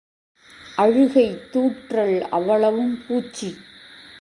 அழுகைத் தூற்றல் அவ்வளவும் பூச்சி.